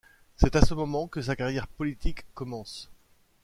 C'est à ce moment que sa carrière politique commence.